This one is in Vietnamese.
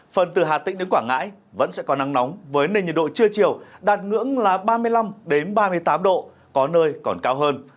phần từ hà tĩnh đến quảng ngãi vẫn sẽ có nắng nóng với nền nhiệt độ trưa chiều đạt ngưỡng là ba mươi năm ba mươi tám độ có nơi còn cao hơn